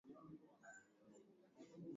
Chris anacheka